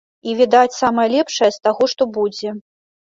І, відаць, самае лепшае з таго, што будзе.